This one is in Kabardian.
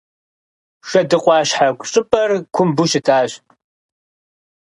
Шэдыкъуащхьэ щӏыпӏэр кумбу щытщ.